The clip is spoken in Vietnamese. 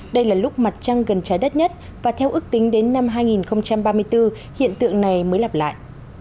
đây là lúc mặt trăng gần trái đất nhất và theo ước tính đến năm hai nghìn ba mươi bốn hiện tượng này mới lặp lại